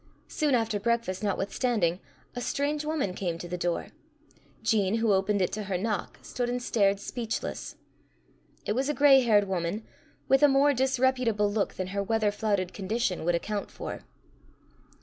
Soon after breakfast, notwithstanding, a strange woman came to the door. Jean, who opened it to her knock, stood and stared speechless. It was a greyhaired woman, with a more disreputable look than her weather flouted condition would account for.